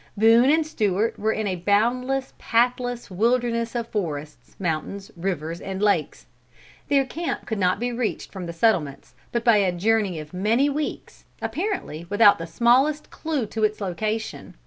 Boone and Stewart were in a boundless, pathless, wilderness of forests, mountains, rivers and lakes. Their camp could not be reached from the settlements, but by a journey of many weeks, apparently without the smallest clue to its location.